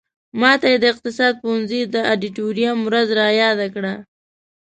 ماته یې د اقتصاد پوهنځي د ادیتوریم ورځ را یاده کړه.